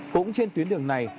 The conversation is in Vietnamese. cũng trên tuyến đường này